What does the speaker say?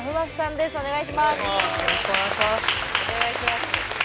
よろしくお願いします。